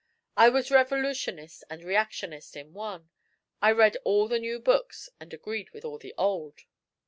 I was revolutionist and reactionary in one. I read all the new books, and agreed with all the old."